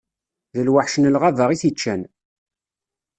D lweḥc n lɣaba i t-iččan.